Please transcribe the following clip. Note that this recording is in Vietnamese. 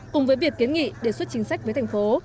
cùng với việc kiến nghị đề xuất chính sách với thành phố